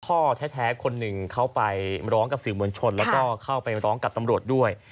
พ่อแท้คนหนึ่งเข้าไปร้องกับสื่อมวลชนแล้วก็เข้าไปร้องกับตำรวจด้วย